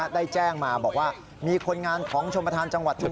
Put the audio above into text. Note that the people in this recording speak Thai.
ได้แจ้งมาบอกว่ามีคนงานของชมประธานจังหวัดชนบุรี